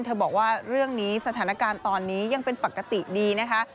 บอกว่าเรื่องนี้สถานการณ์ตอนนี้ยังเป็นปกติดีนะคะ